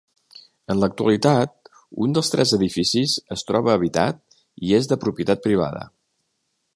En l'actualitat, un dels tres edificis es troba habitat i és de propietat privada.